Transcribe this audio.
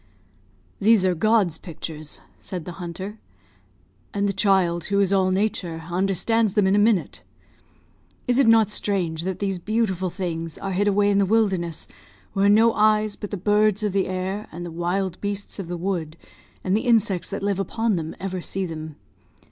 "These are God's pictures," said the hunter, "and the child, who is all nature, understands them in a minute. Is it not strange that these beautiful things are hid away in the wilderness, where no eyes but the birds of the air, and the wild beasts of the wood, and the insects that live upon them, ever see them?